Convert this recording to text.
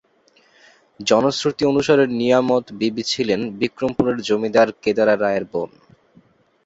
জনশ্রুতি অনুসারে নিয়ামত বিবি ছিলেন বিক্রমপুরের জমিদার কেদার রায়ের বোন।